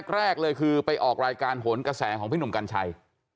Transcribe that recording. แรกเลยคือไปออกรายการโหนกระแสของพี่หนุ่มกัญชัย